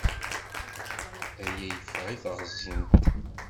Aya yeffeɣ i teɣẓint.